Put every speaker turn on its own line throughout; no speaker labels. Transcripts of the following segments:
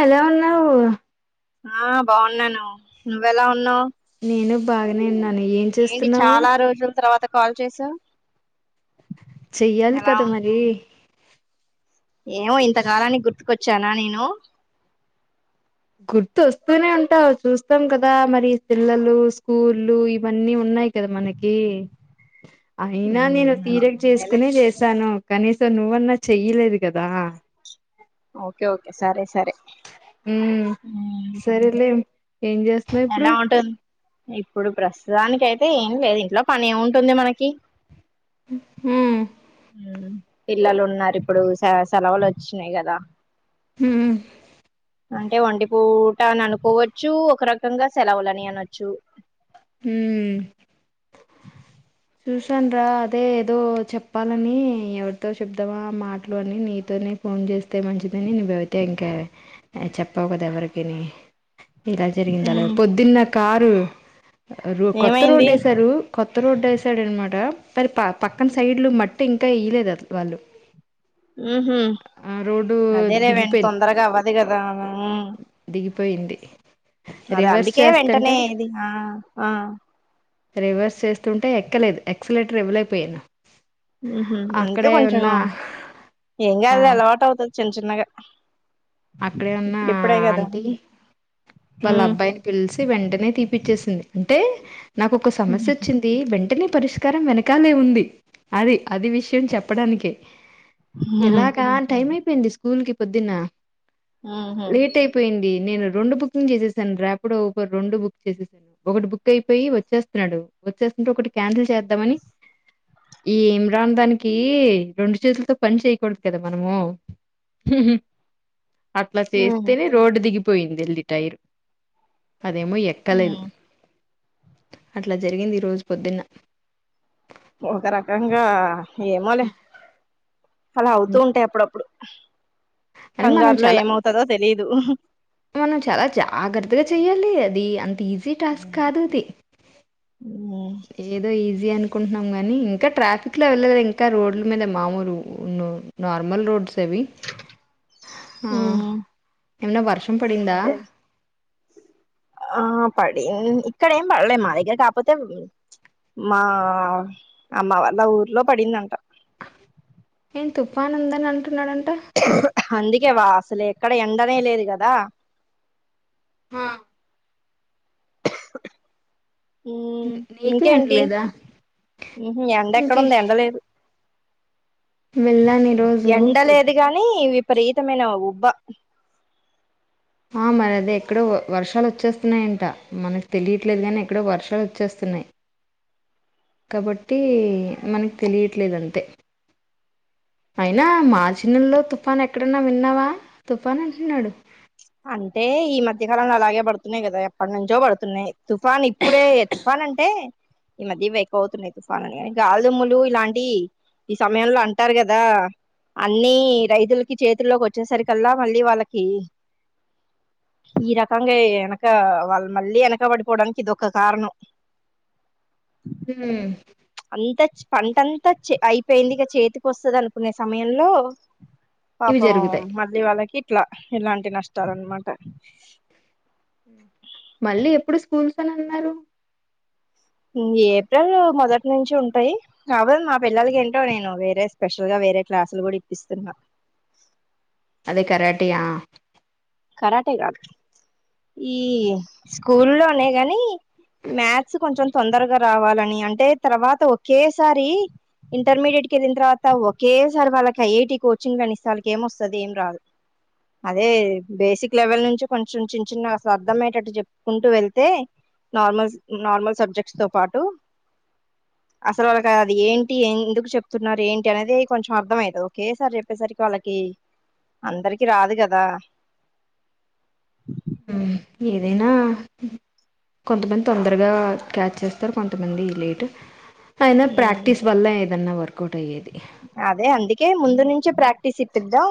ఎలా ఉన్నావ్?
ఆ బాగున్నాను నువ్వెలా ఉన్నావ్
నేను బాగనే ఉన్నా
ఏంటి చాలా రోజుల తర్వాత కాల్ చేసావ్
చెయ్యాలి కద మరీ
ఏమో ఇంతకాలానికి గుర్తుకొచ్చానా నేను
గుర్తుస్తూనే ఉంటావ్ చూస్తం కదా మరి పిల్లలు స్కూళ్లు ఇవన్నీ ఉన్నాయి కద మనకీ అయినా నేను
ఉమ్,
తీరక్
అంతేలే
చేసుకునే చేశాను కనీసం నువ్వన్నా చెయ్యలేదు కదా?
ఓకే ఓకే సరె సరె
ఉమ్ సరెలె ఏం చేస్తవ్ ఇప్పుడు
ఎలా ఉంటుంది ఇప్పుడు ప్రస్తుతానికి అయితే ఏం లేదు ఇంట్లో పని ఉంటుంది మనకి
హుమ్మ్
హుమ్ పిల్లలు ఉన్నరు ఇప్పుడు స సెలవులు ఒచ్చినాయ్ కదా
హుమ్మ్
అంటె వంటి పూట అని అనుకోవచ్చు ఒక రకంగా సెలవులని అనొచ్చు
హుమ్మ్ చూసాను రా అదే ఏదో చెప్పాలని ఎవరితో చెప్దామా మాటలు అని నీతోనే ఫోన్ చేస్తే మంచిదని నువ్వు అయితే ఇంకా చెప్పవ్ కదా ఎవరికిని ఇలా జరిగింది అలా
ఉమ్,
పొద్దున్న కారు రొ కొత్త
ఏమైంది
రోడ్డు ఏసారు కొత్త రోడ్డు ఏసారు అనమాట పరి పక్కన సైడ్లు మట్టి తే ఇంకా ఇయలేద అక్క వాళ్ళు
ఉహు
ఆ రోడ్డు
అదేలేవే
దిగిపోయింది
తొందరగా అవ్వదు కదా
ఆయిపోయింది
అదే అందుకే వెంటనే ఇది ఆ ఆ
రివర్స్ చేస్తుంటే ఎక్కలేదు ఎక్సలేెటర్ ఇవ్వలేకపోయను.
ఉ హుమ్మ్ అందుకే కొంచెం ఏం కాదు అలవాటు అవుతుంది చిన్ చిన్నగా
అక్కడే ఉన్నా
ఇప్పుడు ఇప్పుడే కదా
అంటి వాళ్ళ
ఉమ్
అబ్బాయిని పిలిచి వెంటనే తీపిచ్చేసింది. అంటే నాకు ఒక సమస్య
ఉహు
వచ్చింది వెంటనే పరిష్కారం వెనకాలే ఉంది. అది అది విషయం చెప్పడానికే
ఉహు
ఎలాగా టైం అయిపోయింది స్కూల్ కి పొద్దున్న
ఉహు
లేట్ అయిపోయింది నేను రెండు బుకింగ్ చేసేసాను. రాపిడో, ఊబర్ రెండు బుక్ చేసేసాను. ఒకటి బుక్ అయిపోయి వచ్చేస్తున్నాడు వచ్చే ఒకటి కాన్సల్ చేద్దామని ఈ ఇమ్రాన్ దానికి రెండు చేతులతో పని చేయ్యకూడదు కదా మనము ఉహుహ్ అట్లా చేస్తేనే
ఉమ్
రోడ్డు దిగిపోయింది ఎల్లి టైర్ అదేమో ఎక్కలేదు అట్లాజరిగింది. ఈరోజు పొద్దున్న
ఒక రకంగా ఏమోలే అలా అవుతూ ఉంటాయి. అప్పుడప్పుడు
అని మనం
కంగారులో
చాలా
ఏమవుతదో తెలిదు.
మనం చాలా జాగ్రత్తగా చెయ్యాలి అది అంత ఈ ఈజీ టాస్క్
ఉమ్
కాదు అది ఏదో ఈజీ అనుకు అనుకుంటున్నాము గాని ఇంకా ట్రాఫిక్ లో వెళ్ళలె ఇంకా రోడ్ల మీద మామూలు ఉన్ నార్మల్ రోడ్స్ వి ఆ
ఉమ్
ఏమన్నా వర్షం పడిందా
అదే ఆ పడి ఇక్కడ ఏం పడలేం మా దగ్గర కాకపోతే మా అమ్మ వాళ్ళ ఊర్లో పడిందంట.
ఏం తుఫాన్ ఉందన్ అంటున్నాడన్
అందుకేవా అసలు ఎక్కడ ఎండనే లేదు కదా
ఆ
ఉమ్
నీకు
ఇంకేంటి
అంటలేదా
ఉహు ఎండ ఎక్కడ
ఇంకే
ఉంది ఎండలేదు.
వెళ్ళాను ఈరోజు పొద్దు
ఎండలేదు గాని విపరీతమైన ఉబ్బ
ఆ మరి అదే ఎక్కడో వర్షాలు వచ్చేస్తున్నాయంట. మనకు తెలియట్లేదు గాని, ఎక్కడో వర్షాలు వచ్చేస్తన్ న్నాయ్ కాబట్టి మనకి తెలియట్లేదు అంతే అయినా మార్చి నెల్లో తుఫాను ఎక్కడైన్నా విన్నావా తుఫాన్ అంటున్నాడు.
అంటే ఈ మధ్యకాలంలో అలాగే పడుతున్నాయి. కదా ఎప్పటి నుంచో పడుతున్నాయ్. తుఫాన్ ఇప్పుడే తుఫాన్ అంటే ఈ మధ్య ఇవి ఎక్కువ అవుతున్నాయి. తుఫాను అని గాల్ దుమ్ములు ఇలాంటి ఈ సమయంలో అంటారు కదా అన్ని రైతులకి చేతుల్లోకి వచ్చేసరికల్లా మళ్ళీ వాళ్ళకి ఈ రకంగా వెనక వాళ్ళు మళ్ళీ వెనకబడిపోవడానికి ఇది ఒక కారణం.
ఉమ్
అంత పంటంతా అయిపోయింది. ఇక చేతికి వస్తది అనుకునే సమయంలో
ఇవి
పాపం
జరుగుతాయి
మళ్లి వాళ్ళకి ఇట్లా ఇలాంటి నష్టాలు అన్నమాట
మళ్ళీ ఎప్పుడు స్కూల్స్ అన్నారు
ఏప్రిల్ మొదటి నుంచి ఉంటాయి కావాలి మా పిల్లలకి ఏంటో నేను వేరే స్పెషల్ గా వేరే క్లాసులు కూడా ఇప్పిస్తున్నా
అదే కారటి యా
కరాటి కాదు ఈ స్కూల్ లోనే గాని మాథ్స్ కొంచెం తొందరగా రావాలని అంటే తర్వాత ఒకేసారి ఇంటర్మీడియట్కి వెళ్ళిన తర్వాత ఒకేసారి వాళ్ళకి ఐఐటి కోచింగ్ అని ఇస్తే వాళ్ళకి ఏం వస్తది ఏం రాదు. అదే బేసిక్ లెవెల్ నుంచి కొంచెం చిన్న చిన్న అసలు అర్థం అయేటట్టు చెప్పుకుంటూ వెళ్తే నార్మల్ నార్మల్ సబ్జెక్ట్స్ తో పాటు అసలు వాళ్ళకి అది ఏంటి ఎందుకు చెప్తున్నారు. ఏంటి అనేది కొంచం అర్థమయతది. ఓకే సార్ చెప్పేసరికి వాళ్ళకి కి అందరికి రాదు కదా
హ్మ్ ఏదైనా కొంతమంది తొందరగా క్యాచ్ చేస్తారు కొంతమంది లేట్ అయినా
ఉమ్
ప్రాక్టీస్ వల్ల ఏదన్నా వార్
అదే అందుకే ముందు నుంచి ప్రాక్టీస్ ఇప్పిద్దాం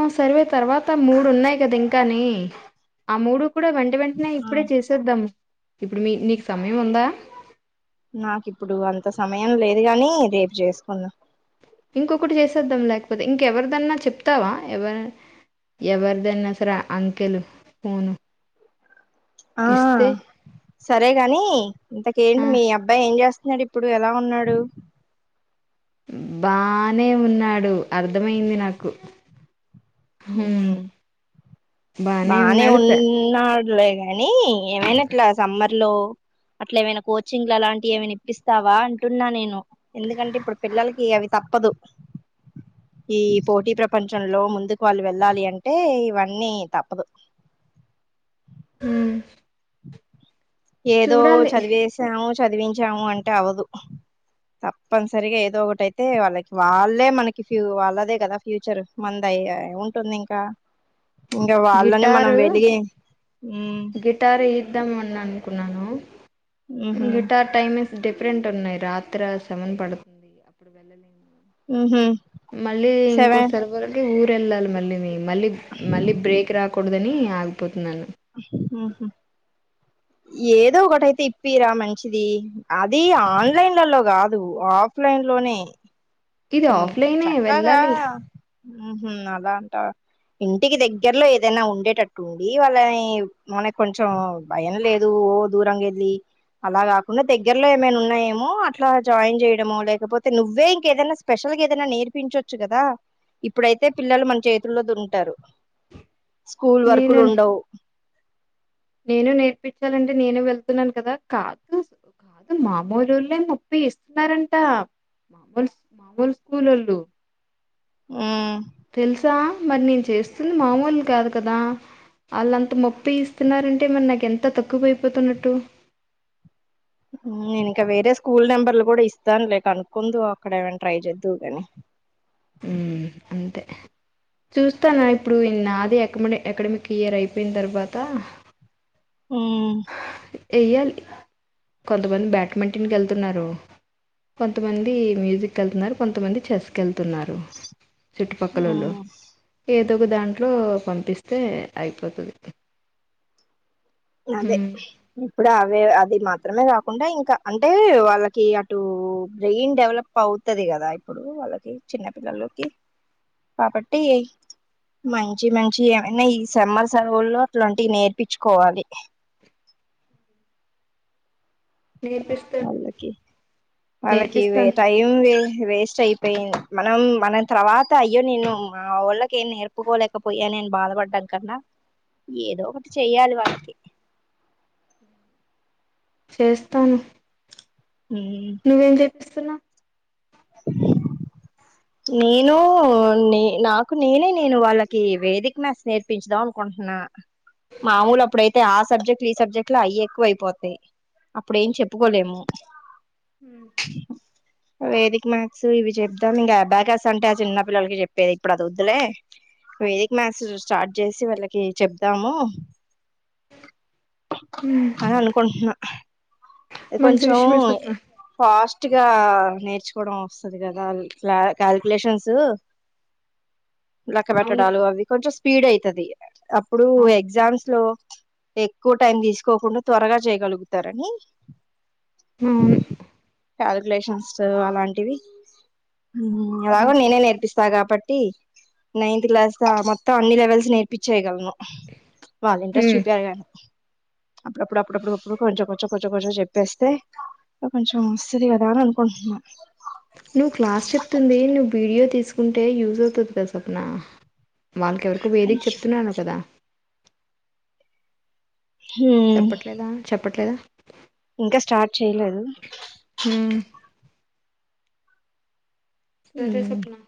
ఆ సర్వే తర్వాత మూడు ఉన్నాయి కదా ఇంకాని ఆ మూడు పుడే వెంట వెంటనే
ఆ
ఇప్పుడే చేసేద్దామ్ ఇప్పుడు మి నీకు సమయం ఉందా
నాకు ఇప్పుడు అంత సమయం లేదు గాని రేపు చేసుకున్నాదాం
ఇంకొకటి చేసేద్దాం లేకపోతే ఇంకెవరిదన్నా చెప్తావా ఎవరి ఎవరిదనా సరే అంకెలు ఫోను
ఆ
ఇస్తే
సరేగాని ఇంతకేంటి
ఆ
మీ అబ్బాయి ఏం చేస్త చేస్తుండు ఇప్పుడు ఎలా ఉన్నాడు
బానే ఉన్నాడు అర్థమయింది నాకు హ్మ్
మ్
బానే
బనే
ఉన్నాడు త
ఉన్నాడ్ లెగాని ఏమైఇట్లా సమ్మర్ లో అట్లా ఏమైనా కోచింగ్లు అలాంటివి ఏమైనా ఇప్పిస్తావా అంటున్నా నేను ఎందుకంటే ఇప్పుడు పిల్లలకి అవి తప్ప తప్పదు ఈ పోటీ ప్రపంచంలో ముందు వాళ్ళు వెళ్ళాలి అంటే ఇవన్నీ తప్పదు
మ్
ఏదో చదివేసామ్ చదివించాము అంటే అవదు తప్పనిసరిగా ఏదో ఒకటిైతే వాళ్ళకి వాళ్ళే మనకి ఫ్య వాళ్ళదే కదా ఫ్యూచర్ మంది అయి ఎ అ ఏం ఉంటుంది ఇంకా ఇంకా వాళ్ళని మనం
గిటారు
వెలిగి
గిటారు ఇద్దాం ఆన్ కున్నను
ఉహు
గిటార్ టైమి డిఫరెంట్ ఉన్నాయి రాత్ర సెవన్ పడుతుంది అప్పుడు వెళ్ళలేంము
మ్ హు
మళ్ళీ ఇంకోసరి వరకు ఊరు ఎళ్ళాలి మళ్ళీ మీ మళ్ళీ మళ్ళీ బ్రేక్ రాద్ కూడదని ఆగిపోతున్నాను
హు హు ఏదో ఒకటైతే ఇప్పిరా మంచిది అది ఆన్లైల్లలో కాదు ఆఫ్ ఆఫ్లైన్ లోనే
ఇది
హిం
ఆఫ్లైనే
చక్కాగా
వెళ్ళాలి
ఉహు అలా అంటావ ఇంటికి దగ్గరలో ఏదైనా ఉండేటట్టు ఉండి వాళ్ళని మనక్ కొంచెం భయం లేదు ఓ దూరంగేలి అలా కాకుండా దగ్గరలో ఏమైనా ఉన్నాయేమో అట్లా జాయిన్ చేయడమో లేకపోతే నువ్వే ఇంకేదనా పేషల్ గా ఏదనా నేర్పించొచ్చు కదా ఇప్పుడైతే పిల్లలు మన చేతుల్లో దురుంటారు స్కూల్
నేను
వర్కులు ఉండవు
నేను నేర్పించాలంటే నేను వెళ్తున్నాను కదా కానీ కాదు మాములొల్లే ముప్పే ఇస్తున్నారంట మామూలు మామూలు స్కూల్ లోలు
మ్మ్
తెలుసా మరి నేను చేస్తుంది మామూలు కాదు కదా ఆళ్ళంత మొప్పి ఇస్తున్నారంటే మరి నాకు ఎంత తక్కువయిపోతున్నట్టు
నేను ఇంకా వేరే స్కూల్ నెంబర్లు కూడా ఇస్తాను లే కనుకుందువు అక్కడ ఏమైనా ట్రై చేద్దదువు కానీ
మ్ అంతే చూస్తాను ఇప్పుడు ఈ నాది ఎక్మైడ్ అకాడమిక్ ఇయర్ అయిపోయిన తర్వాత
మ్
ఎయ్యాలి కొంతమంది బ్యాట్మెంటింగ్ కి వెళ్తున్నారు కొంతమంది మ్యూజిక్ కు వెళ్తున్నారు కొంతమంది చెస్కి వెళ్ తున్నారు చుట్టుపక్కలోళ్ళు
హ్మ్
తకు దాంట్లో పంపిస్తే అయిపోతది
అదే
హ్మ్
ఇప్పుడు అవే అది మాత్ మాత్రమే కాకుండా ఇంకా అంటే వాళ్ళకి అటు బ్రెయిన్ డెవలప్ అవుతుది కదా ఇప్పుడు వాళ్ళకి చిన్నపిల్లలొకి కాబట్టి ఏయి మంచి మంచి ఏమైనా ఈ సెమ్మర్ సెలవుల్లో అట్లాంటివి నేర్పించుకోవాలి
నేర్పిస్తా
వాళ్ళాకి వాళ్ళకి ఇవే
నేర్పిస్తాను
టైం వే వేస్ట్ అయిపోయింది మనం మన తర్వాత అయ్యో నేను మా వాళ్ళకేం నేర్పుకోలేకపోయానె నేను బాధపడ్డాం కన్నా ఏదో ఒకటి చెయ్యాలి వాళ్ళకి
చేస్తాను
ఉ
ఇస్తున్నా
నేను న నాకు నేనే నేను వాళ్ళకి వేదిక మెస్ నేర్పించదాం అనుకుంటు నా మామూలు అప్పుడయితే ఆ సబ్జెక్ట్లు ఈ సబ్జెక్ట్ లో అయె ఎక్కువ అయిపోతాయి అప్పుడెం చెప్పుకోలేము
హ
వేదిక మ్యాక్స్ ఇవి చెప్దాం ఇంకా అబాకాస్ అంటే ఆ చిన్న పిల్లలకి చెప్పేది ఇప్పుడు అది వద్దులే వేదిక మ్యాస్ స్టార్ట్ చేసి వీళ్ళకి చెప్దాము అని అనుకుంటున్నా
మంచి
కొంచెం
విషయమే స్వప్న
ఫాస్ట్ గా నేర్చుకోవడం వస్తది కదా క్లా కాల్క్యూలేషన్స్ లెక్క
అవును
పెట్టడాలు అవి కొంచెం స్పీడ్ అయితది అప్పుడు ఎగ్జామ్స్ లో ఎక్కువ టైం తీసుకోకుండా త్వరగా చేయగలుగుతారని
అవును
కాల్క్యూలేషన్స్ అలాంటివి ఎలాగో నేనే నేర్పిస్తా కాబట్టి టి నైన్త్ క్లాస్ ద మొత్తం అన్ని లెవెల్స్ నేర్పించేయగలను వాళ్ళు ఇంట్రెస్ట్
హ్మ్
చూపియాలి కానీ అప్పుడప్పుడు అప్పుడప్పుడుప్పుడు ఇపుడు కొంచెం కొంచెం కొంచెం కొంచెం చెప్పేస్తే ఇ కొంచెం వస్తతిగాదా అనుకుంటున్నా
నువ్వు క్లాస్ చెప్తుంది నువ్వు వీడియో తీసుకుంటే యూజ్ అవుతది కదా స్వప్న వాళ్ళకెవరికో వేదికి చెప్తున్నా అన్నావ్ కదా
హ్మ్
చెప్పట్లేదా చెప్పట్లేదా
ఇంకా స్టార్ట్ చేయలేదు
హ్మ్ సరే
హ్మ్
సప్నా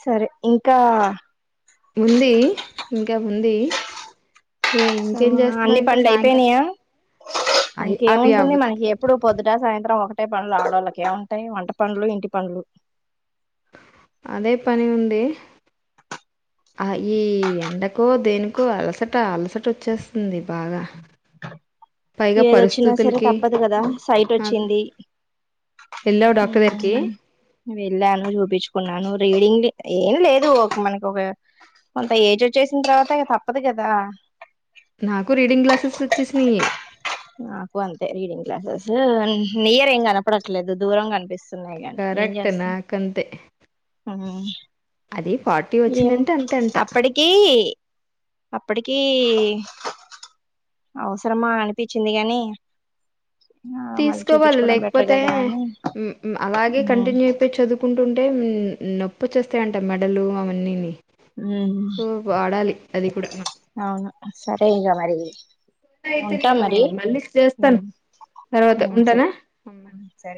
సరే ఇంకా
ముంది ఇంకా ఉంది ఏ ఇంకేం
అన్ని
చేస్తున్నావు ఇంకా
పన్లు
సాయంకాలం
అయిపోయినయా
అయి అవి
ఇంకేముంటుంది
అవు
మనకి ఎప్పుడు పొద్దుట సాయంత్రం ఒక ట్టే పన్లు ఆడోళ్ళకి ఏముంటాయి వంట పన్లు ఇంటి పనులు
అదే పని ఉంది ఆ ఈ ఎండకో దేనికో అలసట అలసట వచ్చేస్తుంది బాగా పైగా
ఏదొచ్చినా సరే
పరిస్థితులకి
తప్పదు కదా సైట్ వచ్చింది
ఎల్లవ డాక్టర్ దగ్గరికీ
హ్మ్ వెళ్ళాను చూపించుకున్నాను రీడింగ్ ఏం లేదు మనకు ఒక కొంత ఏజ్ వచ్చే చేసిన తర్వాత ఇగ తప్పదు కదా
నాకు రీడింగ్ గ్లాసెస్ వచ్చేసినాయి
నాకు అంతే రీడింగ్ క్గ్లాసెస్ నియర్ ఏం కనపడట్లేదు దూరం కనిపిస్ న్నాయి ఏం
కరెక్ట్
చేస్తాం
నాకంతే
కనీ
అది ఫార్టీ
ఏం
వచ్చిందంటే అంతే అంట
అప్పడికీ అప్పటికీ అవసరమా అనిపిచ్చిందికాని
తీసుకోవాలి లేకపోతే
అని
ఉమ్ ఉమ్ అలాగే కంటిన్యూ అయిపోయి చదువుకుంటుంటే నొప్పి వచ్చేస్తాయంట మెడలు అవన్నీ ను
ఉమ్
అది కూడా
అవును సరే సరే ఇంకా మరి
అయితే
ఉంటా
నేను
మరి
మళ్ళీ చేస్తాను తర్వాత
సరే
ఉంటనా ఆ
సరే